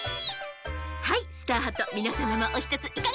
はいスターハットみなさまもおひとついかがですか？